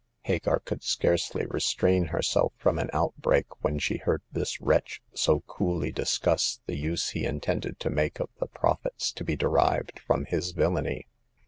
Hagar could scarcely restrain herself from an outbreak when she heard this wretch so coolly discuss the use he intended to make of the prof its to be derived from his villainy.